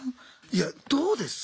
いやどうです？